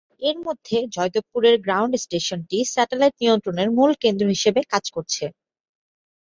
এর মধ্যে জয়দেবপুরের ground স্টেশনটিই satellite নিয়ন্ত্রণের মূল কেন্দ্র হিসেবে কাজ করছে।